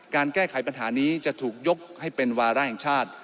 การแก้ไขปัญหานี้จะถูกยกให้เป็นวาระแห่งชาติ